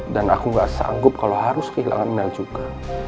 dan aku gak sanggup kalau harus kehilangan mel juga